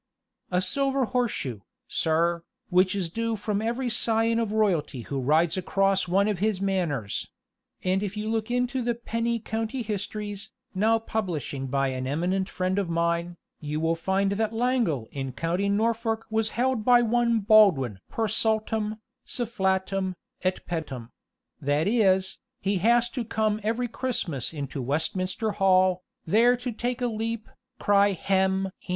"A silver horse shoe, sir, which is due from every scion of royalty who rides across one of his manors; and if you look into the penny county histories, now publishing by an eminent friend of mine, you will find that Langhale in Co. Norf. was held by one Baldwin per saltum, sufflatum, et pettum; that is, he was to come every Christmas into Westminster Hall, there to take a leap, cry hem!